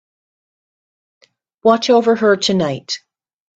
Watch over her tonight.